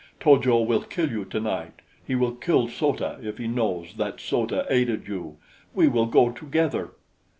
To jo will kill you tonight. He will kill So ta if he knows that So ta aided you. We will go together."